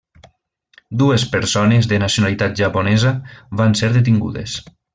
Dues persones de nacionalitat japonesa van ser detingudes.